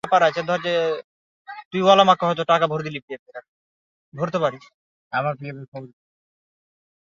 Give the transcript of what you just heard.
Test cricket এবং একদিনের আন্তর্জাতিক ক্রিকেটে পাকিস্তান জাতীয় ক্রিকেট দলের সাবেক অধিনায়ক।